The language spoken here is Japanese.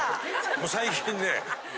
もう最近ね。